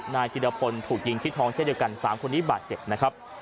ธิรพลถูกยิงที่ท้องเช่นเดียวกัน๓คนนี้บาดเจ็บนะครับ